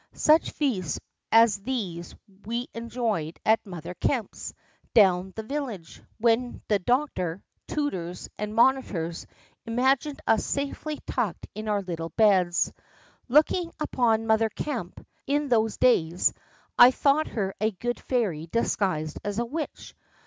Such feasts as these we enjoyed at Mother Kemp's, down the village, when the Doctor, tutors, and monitors imagined us safely tucked in our little beds. Looking upon Mother Kemp, in those days, I thought her a good fairy disguised as a witch.